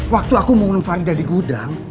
waktu aku mengurung farida di gudang